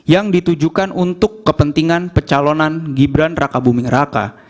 yang ditujukan untuk kepentingan pecalonan gibran raka buming raka